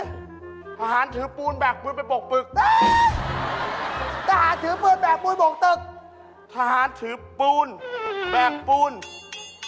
รุแลอันนี้ดูนี่นะพูดมาฟังเลยบะขากลางพี่